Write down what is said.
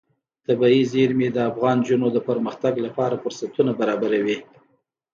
طبیعي زیرمې د افغان نجونو د پرمختګ لپاره فرصتونه برابروي.